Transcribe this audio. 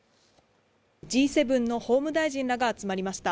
Ｇ７の法務大臣らが集まりました。